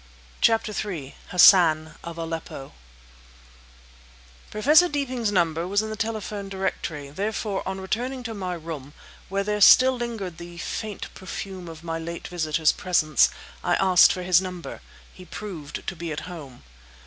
CHAPTER III "HASSAN OF ALEPPO" Professor Deeping's number was in the telephone directory, therefore, on returning to my room, where there still lingered the faint perfume of my late visitor's presence, I asked for his number. He proved to be at home.